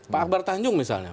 pak akbar tanjung misalnya